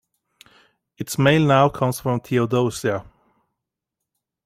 Its mail now comes from Theodosia.